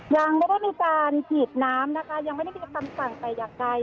ยังไม่มีการฉีดน้ำนะคะยังไม่มีการสั่งอีกอะไร